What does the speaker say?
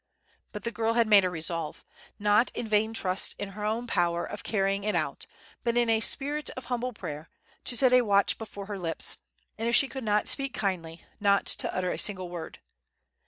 But the girl had made a resolve, not in vain trust in her own power of carrying it out, but in a spirit of humble prayer, to set a watch before her lips; and if she could not speak kindly, not to utter a single word.